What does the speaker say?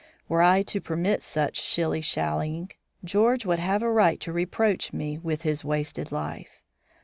Were I to permit such shilly shallying, George would have a right to reproach me with his wasted life.